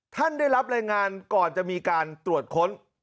ได้รับรายงานก่อนจะมีการตรวจค้น